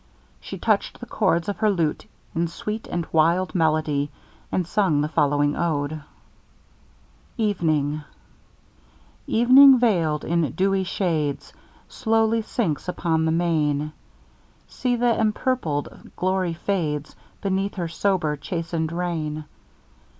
She touched the chords of her lute in sweet and wild melody, and sung the following ode: EVENING Evening veil'd in dewy shades, Slowly sinks upon the main; See th'empurpled glory fades, Beneath her sober, chasten'd reign.